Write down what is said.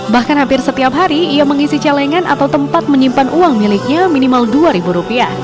bahkan hampir setiap hari ia mengisi celengan atau tempat menyimpan uang miliknya minimal rp dua